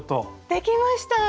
できました！